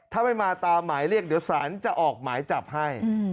ถ้าไม่มาตามหมายเรียกเดี๋ยวสารจะออกหมายจับให้